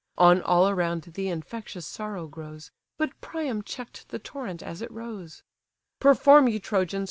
On all around the infectious sorrow grows; But Priam check'd the torrent as it rose: "Perform, ye Trojans!